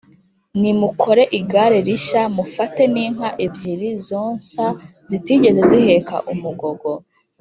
Nimukore igare rishya mufate n inka ebyiri zonsa zitigeze ziheka umugogo